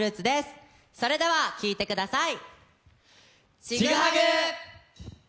それでは聴いてください。